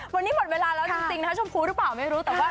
วันนี้หมดเวลาแล้วจริงแล้วชมพูท่าป่าวไม่รู้